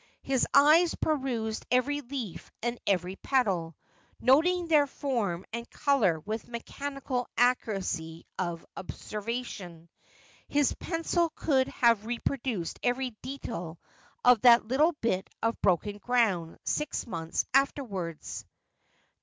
His eyes perused every leaf and every petal, noting their form and colour with mechanical accuracy of observation. His pencil could have reproduced every detail of that little bit of broken ground six months afterwards.